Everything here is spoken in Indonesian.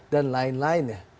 dan lain lain ya